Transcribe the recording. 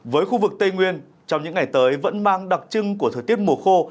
với khu vực tây nguyên trong những ngày tới vẫn mang đặc trưng của thời tiết mùa khô